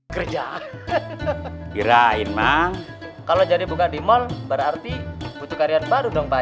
kerja kirain mang kalau jadi bukan di mal berarti butuh karyan baru dong pak